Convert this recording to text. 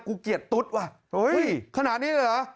เกลียดตุ๊ดว่ะขนาดนี้เลยเหรอ